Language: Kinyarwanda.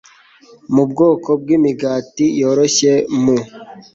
mu bwoko bwimigati yoroshye mu